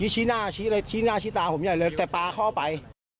ชี้หน้าชี้ตาผมอย่างไรเลยแต่ปลาเข้าไป